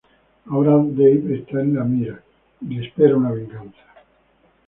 Ahora Dave está en la mira y le espera una venganza.